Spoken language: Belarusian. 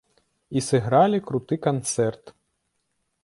І сыгралі круты канцэрт!